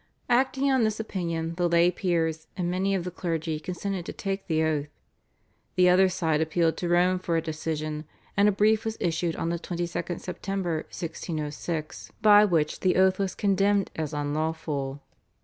Acting on this opinion the lay peers and many of the clergy consented to take the oath. The other side appealed to Rome for a decision, and a brief was issued on the 22nd September 1606, by which the oath was condemned as unlawful.